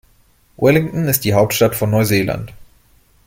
Wellington ist die Hauptstadt von Neuseeland.